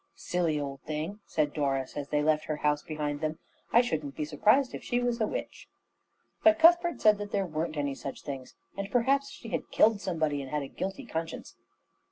"Silly old thing," said Doris, as they left her house behind them. "I shouldn't be surprised if she was a witch." But Cuthbert said that there weren't any such things, and perhaps she had killed somebody and had a guilty conscience.